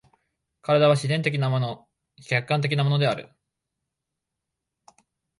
身体は自然的なもの、客観的なものである。